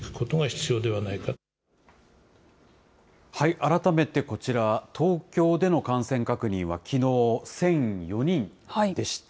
改めてこちら、東京での感染確認はきのう、１００４人でした。